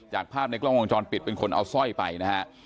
จากภาพในกล้องวงจรปิดเป็นคนเอาสร้อยไปนะฮะ